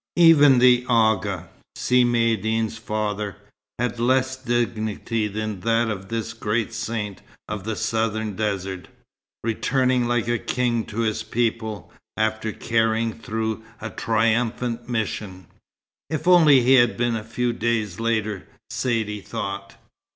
Even the Agha, Si Maïeddine's father, had less dignity than that of this great saint of the southern desert, returning like a king to his people, after carrying through a triumphant mission. "If only he had been a few days later!" Saidee thought.